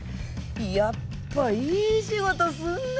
やっぱいい仕事すんな。